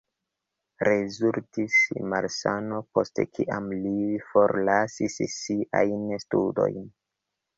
Rezultis malsano, post kiam li forlasis siajn studojn.